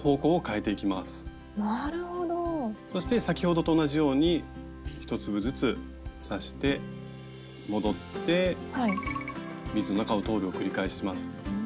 そして先ほどと同じように１粒ずつ刺して戻ってビーズの中を通るを繰り返します。